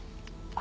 あ？